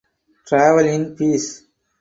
Travel in peace.